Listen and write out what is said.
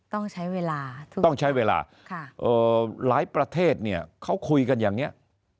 ต้องใช้เวลาต้องใช้เวลาหลายประเทศเนี่ยเขาคุยกันอย่างนี้